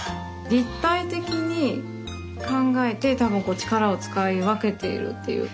立体的に考えて多分力を使い分けているっていう。